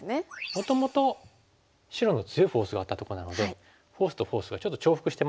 もともと白の強いフォースがあったとこなのでフォースとフォースがちょっと重複してますからね。